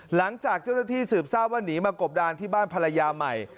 หลังจากเจ้าหน้าที่สืบทราบว่าหนีมากบดานที่บ้านภรรยาใหม่